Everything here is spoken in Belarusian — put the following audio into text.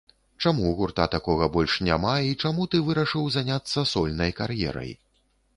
Чаму гурта такога больш няма, і чаму ты вырашыў заняцца сольнай кар'ерай?